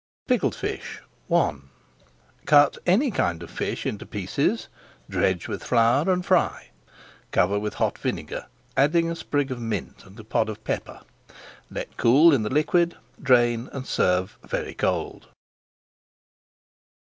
PICKLED FISH I Cut any kind of fish into pieces, dredge with flour, and fry. Cover with hot vinegar, adding a sprig of mint, and a pod of pepper. Let [Page 477] cool in the liquid, drain, and serve very cold.